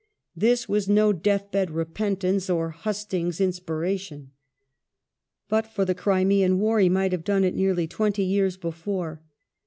This was no death bed repentance or hustings' in spiration. But for the Crimean War, he might have done it nearly twenty years before.